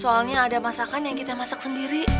soalnya ada masakan yang kita masak sendiri